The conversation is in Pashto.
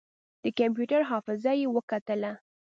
د کمپيوټر حافظه يې وکتله.